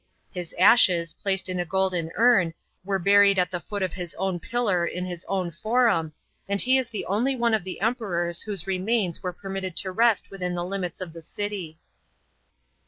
His ashes, \ laced in a golden urn, were buried at the foot of liis own Pillar in his own Forum, and he is ihe only one of the Emperors vvh )se remains were permitted to rest within the limits of the city.